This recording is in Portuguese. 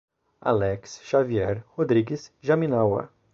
Alex Xavier Rodrigues Jaminawa